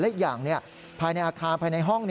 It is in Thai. และอีกอย่างภายในอาคารภายในห้อง